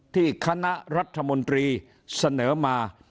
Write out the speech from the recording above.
คณะรัฐมนตรีเสนอมา